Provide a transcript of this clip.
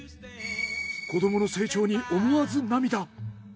子どもの成長に思わず涙。